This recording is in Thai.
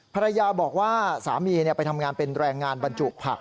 ภรรยาบอกว่าสามีไปทำงานเป็นแรงงานบรรจุผัก